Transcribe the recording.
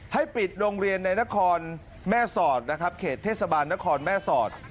ให้ปิดโรงเรียนในนครแม่สอดนะครับเขตเทศบาลนครแม่สอด